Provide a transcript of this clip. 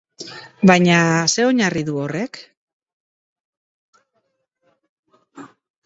Baina zer oinarri du horrek?